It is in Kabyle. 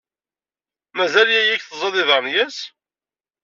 Mazal yaya-k teẓẓaḍ iberniyas?